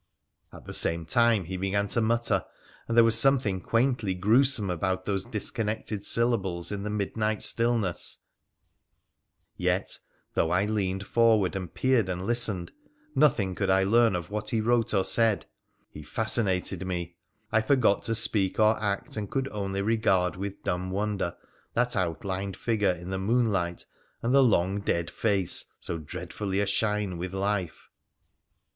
At the same time he began to mutter, and there was something quaintly gruesome about those disconnected syllables in the midnight stillness ; yet, though I leant forward and peered and listened, nothing could I learn of what he wrote or said. He fascinated me. I forgot to speak or act, and could only regard with dumb wonder that outlined figure in the moonlight and the long dead face so dreadfully ashine with life.